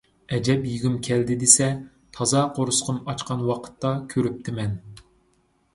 ئەجەب يېگۈم كەلدى دېسە! تازا قورسىقىم ئاچقان ۋاقىتتا كۆرۈپتىمەن.